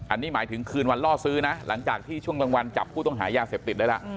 อันนี้หมายถึงคืนวันล่อซื้อนะหลังจากที่ช่วงกลางวันจับผู้ต้องหายาเสพติดได้แล้ว